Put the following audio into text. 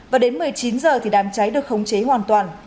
và đến một mươi chín h thì đám cháy được khống chế hoàn toàn